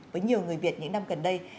với nhiều người việt những năm gần đây